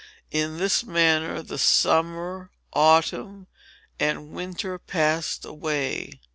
In this manner, the summer, autumn, and winter passed away.